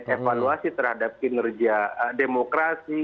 evaluasi terhadap kinerja demokrasi